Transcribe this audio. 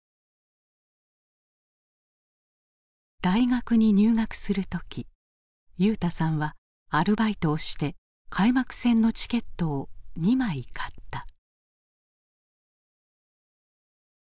大学に入学する時裕大さんはアルバイトをして開幕戦のチケットを２枚買った。